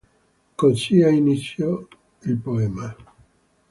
Così ha inizio il poema.